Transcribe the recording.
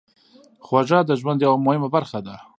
خوږه د ژوند یوه مهمه برخه ده.